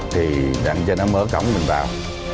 thì đáng cho nó mở cổng mình vào